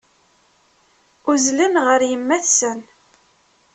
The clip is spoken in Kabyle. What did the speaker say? Uzzlen ɣer yemma-tsen.